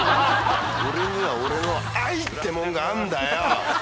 俺には俺の愛ってもんがあんだよ。